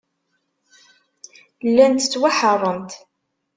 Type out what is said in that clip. Llant ttwaḥeṛṛent.